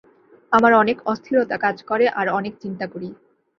আমার অনেক অস্থিরতা কাজ করে আর অনেক চিন্তা করি।